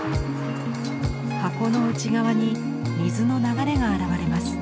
箱の内側に水の流れが現れます。